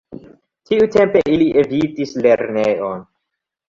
Tiutage ili evitis lernejon.